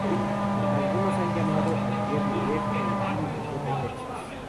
Algunos han llamado a Jerry Jeff el Jimmy Buffett de Texas.